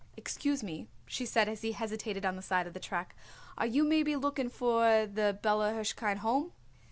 "Excuse me," she said as he hesitated at the side of the track, "are you maybe looking for the Bella Hirshkind Home?"